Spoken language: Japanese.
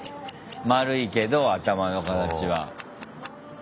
丸いけど頭の形は。